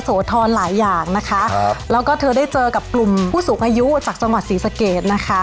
โสธรหลายอย่างนะคะครับแล้วก็เธอได้เจอกับกลุ่มผู้สูงอายุจากจังหวัดศรีสะเกดนะคะ